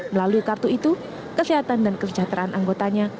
melalui kartu ini pemerintah memperhatikan nasib tagana